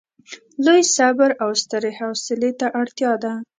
لوی صبر او سترې حوصلې ته اړتیا ده.